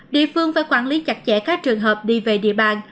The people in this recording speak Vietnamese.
địa phương phải quản lý chặt chẽ các trường hợp đi về địa bàn